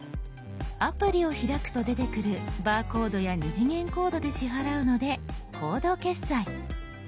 アプリを開くと出てくるバーコードや２次元コードで支払うので「コード決済」。